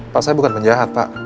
pak saya bukan penjahat pak